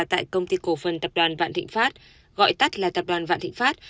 tại công ty cổ phần tập đoàn vạn thịnh pháp gọi tắt là tập đoàn vạn thịnh pháp